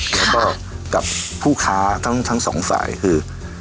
แล้วก็กับผู้ค้าทั้งสองฝ่ายคือ